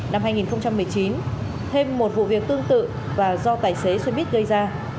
năm hai nghìn một mươi chín thêm một vụ việc tương tự và do tài xế xe buýt gây ra